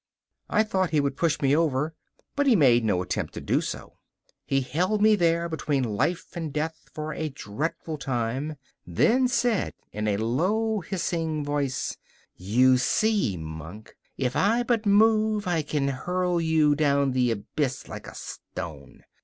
I thought he would push me over, but he made no attempt to do so. He held me there between life and death for a dreadful time, then said, in a low, hissing voice: 'You see, monk, if I but move I can hurl you down the abyss like a stone.